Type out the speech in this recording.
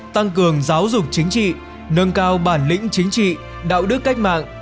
tăng cường giáo dục chính trị nâng cao bản lĩnh chính trị đạo đức cách mạng